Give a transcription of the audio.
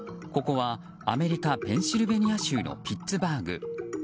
ここはアメリカ・ペンシルベニア州のピッツバーグ。